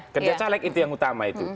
kerja caleg itu yang utama itu